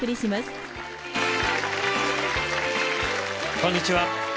こんにちは